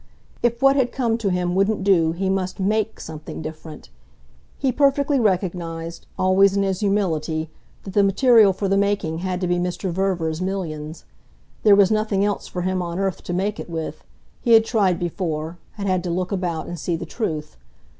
If what had come to him wouldn't do he must MAKE something different. He perfectly recognised always in his humility that the material for the making had to be Mr. Verver's millions. There was nothing else for him on earth to make it with; he had tried before had had to look about and see the truth.